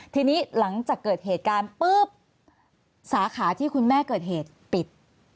ทีนี้หลังจากเกิดเหตุการณ์ปุ๊บสาขาที่คุณแม่เกิดเหตุปิด